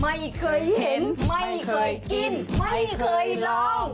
ไม่เคยเห็นไม่เคยกินไม่เคยลอง